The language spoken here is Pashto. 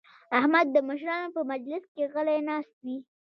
احمد د مشرانو په مجلس کې غلی ناست وي.